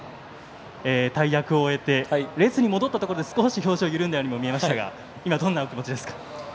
大役を終えて列に戻ったところで少し表情が緩んだように見えましたが今、どんなお気持ちですか？